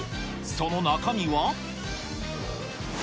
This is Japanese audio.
その中身は？